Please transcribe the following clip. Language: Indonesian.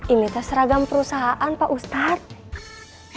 ini terseragam perusahaan pak ustadz